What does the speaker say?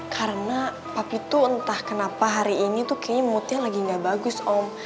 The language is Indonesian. karena papa itu entah kenapa hari ini tuh kayaknya moodnya lagi gak bagus om